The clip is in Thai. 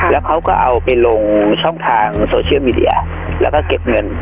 แล้วเขาก็เอาไปลงช่องทางโซเชียลมีเดียแล้วก็เก็บเงิน